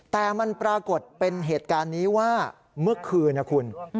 แต่มันปรากฏเป็นเหตุการณ์นี้ว่าเมื่อคืนนะคุณ